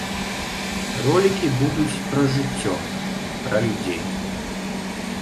Ролікі будуць пра жыццё, пра людзей.